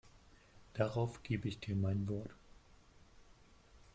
Darauf gebe ich dir mein Wort.